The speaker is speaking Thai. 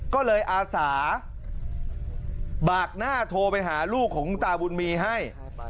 ก็เลยอาสาบากหน้าโทรไปหาลูกของคุณตาบุญมีให้